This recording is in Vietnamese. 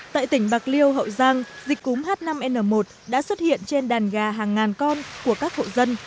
tại tỉnh bạc liêu hậu giang dịch cúm h năm n một đã xuất hiện trên đàn gà hàng ngàn con của các hộ dân